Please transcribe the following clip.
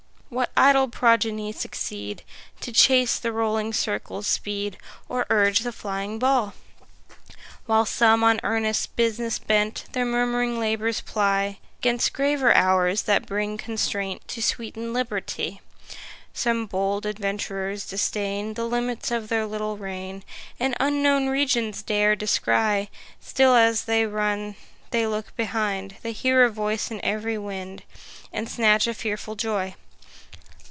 What idle progeny succeed To chase the rolling circle's speed, Or urge the flying ball? While some on earnest business bent Their murm'ring labours ply 'Gainst graver hours, that bring constraint To sweeten liberty: Some bold adventurers disdain The limits of their little reign, And unknown regions dare descry: Still as they run they look behind, They hear a voice in ev'ry wind, And snatch a fearful joy.